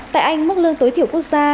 tại anh mức lương tối thiểu quốc gia